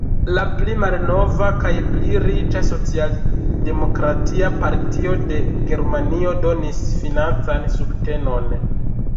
La pli malnova kaj pli riĉa Socialdemokratia Partio de Germanio donis financan subtenon.